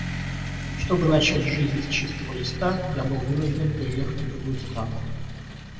Чтобы начать жизнь с чистого листа, я был вынужден переехать в другую страну.